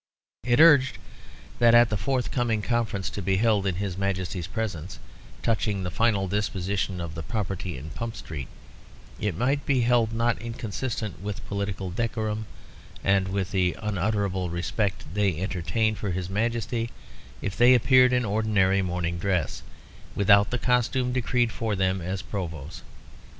It urged that at the forthcoming conference to be held in his Majesty's presence touching the final disposition of the property in Pump Street, it might be held not inconsistent with political decorum and with the unutterable respect they entertained for his Majesty if they appeared in ordinary morning dress, without the costume decreed for them as Provosts.